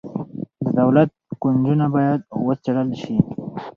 د دولت کونجونه باید وڅیړل شي.